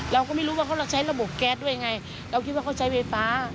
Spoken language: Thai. เราก็ไม่รู้ว่าเขาเราใช้ระบบแก๊สด้วยไงเราคิดว่าเขาใช้ไฟฟ้า